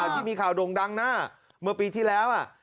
ที่มีข่าวโด่งดังนะเมื่อปีที่แล้ว